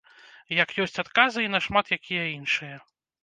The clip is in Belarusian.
Як ёсць адказы і на шмат якія іншыя.